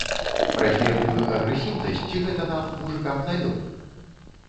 Празмерную агрэсіўнасць ці гэта нам, мужыкам, намёк?